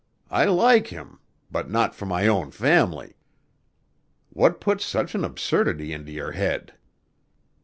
I like him but not for my own family. What put such an absurdity into your head?"